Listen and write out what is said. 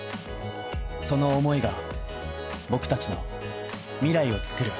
その思いが僕達の未来をつくる